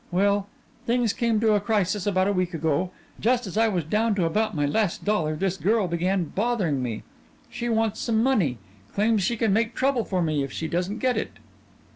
Well, things came to a crisis about a week ago. Just as I was down to about my last dollar this girl began bothering me. She wants some money; claims she can make trouble for me if she doesn't get it."